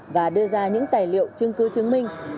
và đưa ra những tài liệu chứng cứ chứng minh